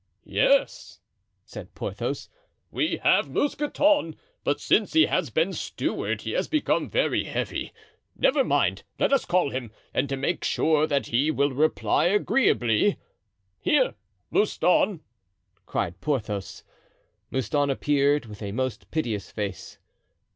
"Yes," said Porthos, "we have Mousqueton, but since he has been steward, he has become very heavy; never mind, let us call him, and to make sure that he will reply agreeably—— "Here! Mouston," cried Porthos. Mouston appeared, with a most piteous face.